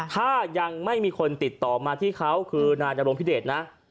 ถ้ายังไม่มีคนติดต่อมาที่เขาคือนายนรงพิเดชนะ